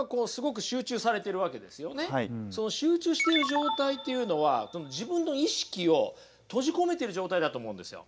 その集中している状態っていうのは自分の意識を閉じ込めてる状態だと思うんですよ。